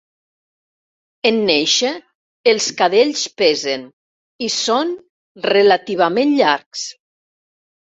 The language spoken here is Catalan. En néixer, els cadells pesen i són relativament llargs.